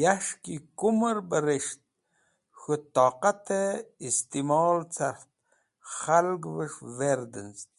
Yas̃h ki kumẽr bẽ res̃ht, k̃hũ toqatẽ istimol cart khalgvẽs̃h verdẽnz̃ẽd.